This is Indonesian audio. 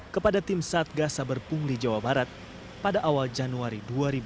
kepada tim satgas saber pungli jawa barat pada awal januari dua ribu dua puluh